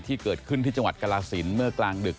ที่เกิดขึ้นที่จังหวัดกรสินเมื่อกลางดึก